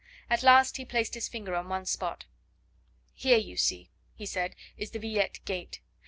At last he placed his finger on one spot. "Here you see," he said, "is the Villette gate.